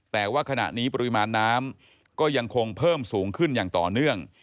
แต่ว่าขณะนี้ปริมาณน้ำก็ยังคงเพิ่มสูงขึ้นอย่างต่อเนื่อง